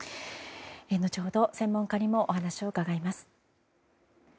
後ほど、専門家にもお話を伺います。